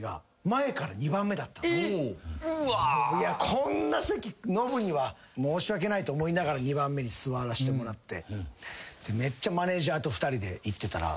こんな席ノブには申し訳ないと思いながら２番目に座らせてもらってめっちゃマネージャーと２人で行ってたら。